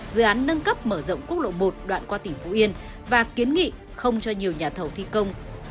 dự án nâng cấp mở rộng quốc lộ một đoạn qua tỉnh phú yên và kiến nghị không cho nhiều nhà thầu thi công